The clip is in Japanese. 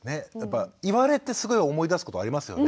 言われてすごい思い出すことありますよね。